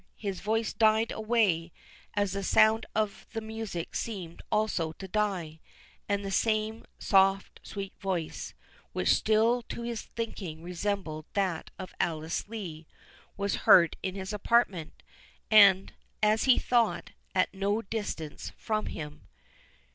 His voice died away as the sound of the music seemed also to die; and the same soft sweet voice, which still to his thinking resembled that of Alice Lee, was heard in his apartment, and, as he thought, at no distance from him.